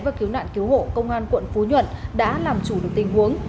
và cứu nạn cứu hộ công an quận phú nhuận đã làm chủ được tình huống